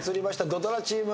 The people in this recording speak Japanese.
土ドラチーム。